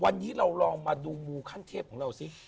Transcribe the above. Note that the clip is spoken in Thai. วันนี้เราลองมาดูมูขั้นเทพของเราสิ